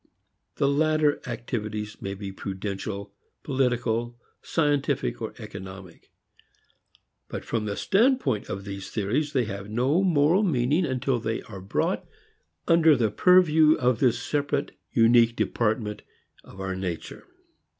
The latter activities may be prudential, political, scientific, economic. But, from the standpoint of these theories, they have no moral meaning until they are brought under the purview of this separate unique department of our nature.